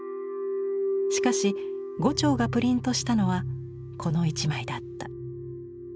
しかし牛腸がプリントしたのはこの１枚だった。